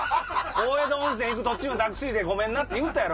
大江戸温泉行く途中タクシーでごめんなって言うたやろ！